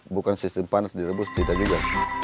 bukan sistem panas direbus tidak juga